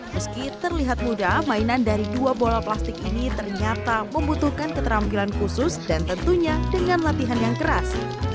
meski terlihat mudah mainan dari dua bola plastik ini ternyata membutuhkan keterampilan khusus dan tentunya dengan latihan yang keras